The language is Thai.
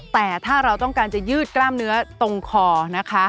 แต่ถ้าเราต้องการจะยืดกล้ามเนื้อตรงคอนะคะ